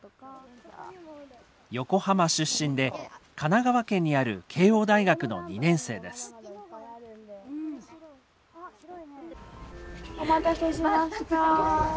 横浜出身で神奈川県にある慶應大学の２年生です。